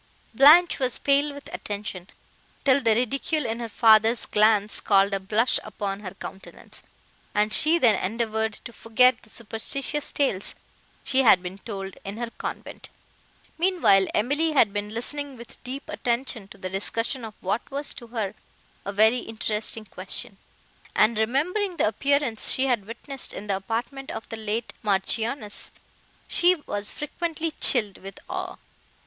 Blanche was pale with attention, till the ridicule in her father's glance called a blush upon her countenance, and she then endeavoured to forget the superstitious tales she had been told in her convent. Meanwhile, Emily had been listening with deep attention to the discussion of what was to her a very interesting question, and, remembering the appearance she had witnessed in the apartment of the late Marchioness, she was frequently chilled with awe.